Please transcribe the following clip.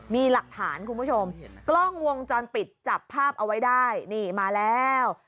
มีหลักฐานคุณผู้ชมกล้องวงจรปิดจับภาพเอาไว้ได้นี่มาแล้ว